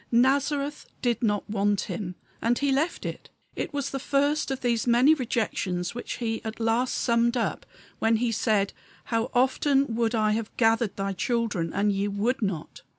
Nazareth did not want Him; and he left it. It was the first of those many rejections which He at last summed up when he said, "How often would I have gathered thy children, and ye would not."